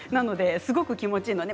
すごく気持ちいいです。